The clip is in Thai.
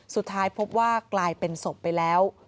สุดท้ายพบว่ากลายเป็นศพไปแล้ว